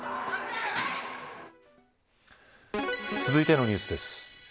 続いてのニュースです。